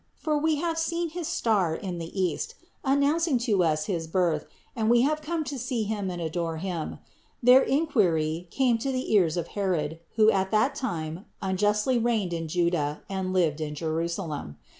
For we have seen his star in the East, announcing to us his Birth and we have come to see Him and adore Him. Their inquiry came to the ears of Herod, who at that time unjustly reigned in Judea and lived in Jerusalem.